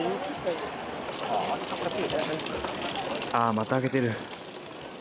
またあげてる。